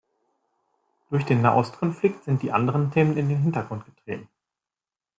Durch den Nahostkonflikt sind die anderen Themen in den Hintergrund getreten.